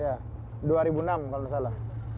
dua ribu enam kalau tidak salah